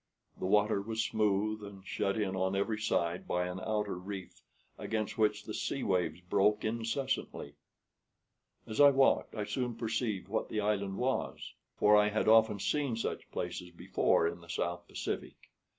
The water was smooth, and shut in on every side by an outer reef against which the sea waves broke incessantly. As I walked I soon perceived what the island was; for I had often seen such places before in the South Pacific.